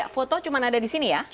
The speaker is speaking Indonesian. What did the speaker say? foto cuma ada di sini ya